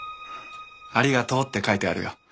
ありがとうって書いてあるよ。